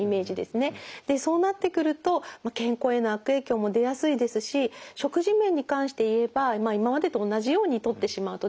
そうなってくると健康への悪影響も出やすいですし食事面に関して言えば今までと同じようにとってしまうとですね